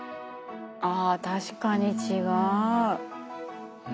あ確かにちがう。